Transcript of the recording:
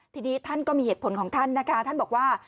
ทีนี้ท่านก็มีเหตุผลของท่านนะคะท่านบอกว่า